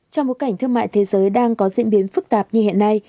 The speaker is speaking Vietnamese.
trong bối cảnh thương mại thế giới đang có diễn biến phức tạp như hiện nay